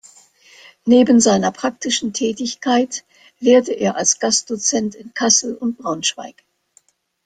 Neben seiner praktischen Tätigkeit lehrte er als Gastdozent in Kassel und Braunschweig.